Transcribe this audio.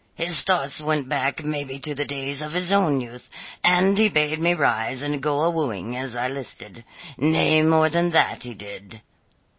His thoughts went back maybe to the days of his own youth, and he bade me rise and go a wooing as I listed. Nay, more than that he did.